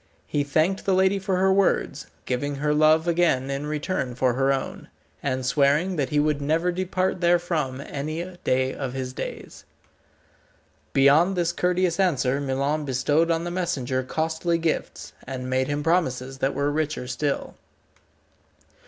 He thanked the lady for her words, giving her love again in return for her own, and swearing that he would never depart therefrom any day of his days. Beyond this courteous answer Milon bestowed on the messenger costly gifts, and made him promises that were richer still.